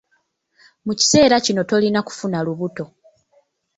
Mu kiseera kino tolina kufuna lubuto.